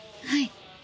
はい。